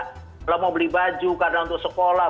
kalau mau beli baju karena untuk sekolah